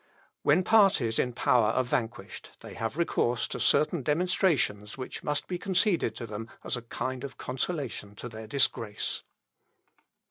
When parties in power are vanquished, they have recourse to certain demonstrations which must be conceded to them as a kind of consolation to their disgrace.